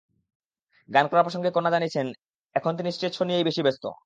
গান করা প্রসঙ্গে কণা জানিয়েছেন, এখন তিনি স্টেজ শো নিয়েই বেশি ব্যস্ত।